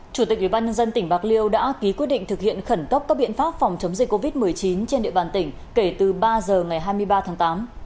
chủ tịch ubnd tỉnh bạc liêu đã ký quyết định thực hiện khẩn cấp các biện pháp phòng chống dịch covid một mươi chín trên địa bàn tỉnh kể từ ba giờ ngày hai mươi ba tháng tám